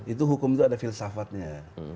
itu hukum itu ada filsafatnya